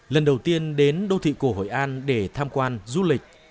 lần đầu tiên đến đô thị cổ hội an để tham quan du lịch